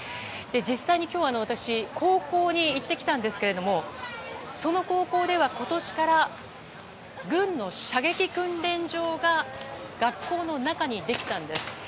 実際に今日、私高校に行ってきたんですけれどもその高校では今年から軍の射撃訓練場が学校の中にできたんです。